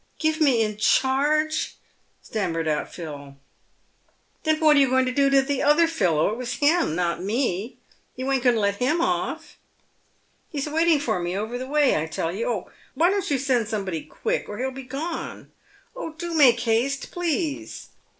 " Give me in charge !" stammered out Phil. " Then what are you going to do to the other fellow ? It was him, not me. Tou ain't a going to let him off? He's waiting for me over the way, I tell you. Oh ! why don't you send somebody quick, or he'll be gone ? Oh ! do make haste, please